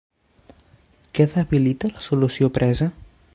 Què debilita la solució presa?